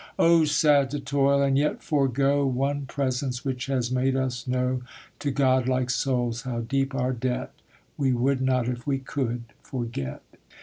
Oh sad to toil, and yet forego One presence which has made us know To Godlike souls how deep our debt! We would not, if we could, forget.